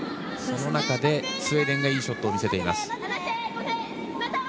その中でスウェーデンがいいショットを見せています。